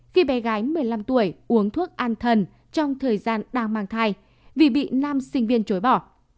khi bé gái một mươi năm tuổi uống thuốc an thần trong thời gian đang mang thai vì bị nam sinh viên chối bỏ